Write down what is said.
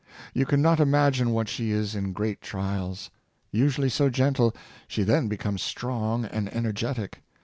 You can not imagine what she is in great trials. Usually so gentle, she then becomes strong and energetic.